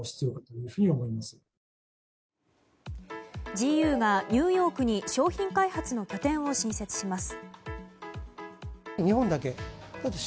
ジーユーがニューヨークに商品開発の拠点を新設します。